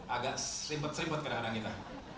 agak seripet seripet kadang kadang kita